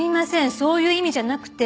そういう意味じゃなくて。